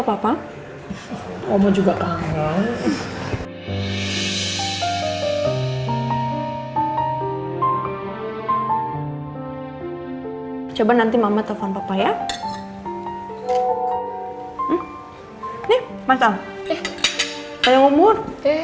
eh panjang umur